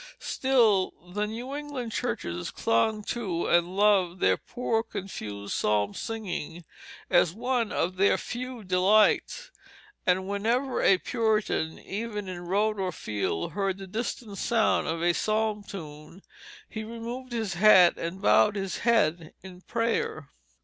Still the New England churches clung to and loved their poor confused psalm singing as one of their few delights, and whenever a Puritan, even in road or field, heard the distant sound of a psalm tune he removed his hat and bowed his head in prayer.